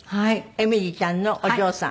えみりちゃんのお嬢さん。